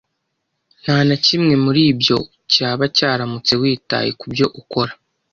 Nta na kimwe muri ibyo cyaba cyaramutse witaye kubyo ukora